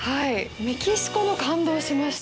メキシコも感動しました。